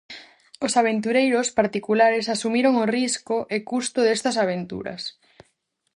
Os aventureiros particulares asumiron o risco e custo destas aventuras.